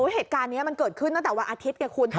เหตุการณ์นี้มันเกิดขึ้นตั้งแต่วันอาทิตย์ไงคุณ